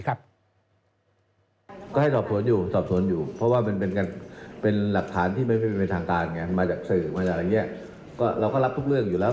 หรือจะเผยเข้ากระบวนการได้เลย